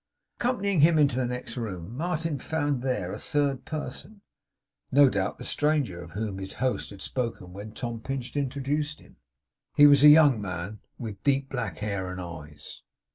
Accompanying him into the next room, Martin found there a third person; no doubt the stranger of whom his host had spoken when Tom Pinch introduced him. He was a young man; with deep black hair and eyes.